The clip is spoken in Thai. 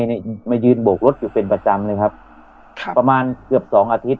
เนี้ยมายืนโบกรถอยู่เป็นประจำเลยครับครับประมาณเกือบสองอาทิตย